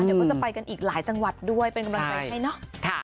เดี๋ยวก็จะไปกันอีกหลายจังหวัดด้วยเป็นกำลังใจให้เนอะ